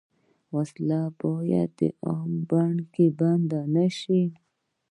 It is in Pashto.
وسله باید د علم بڼ ته بدله شي